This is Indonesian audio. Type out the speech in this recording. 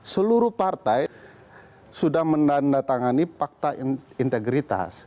seluruh partai sudah menandatangani fakta integritas